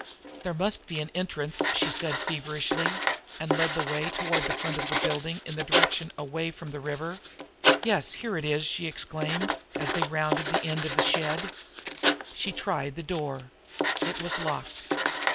"There must be an entrance," she said feverishly and led the way toward the front of the building in the direction away from the river. "Yes, here it is!" she exclaimed, as they rounded the end of the shed. She tried the door. It was locked.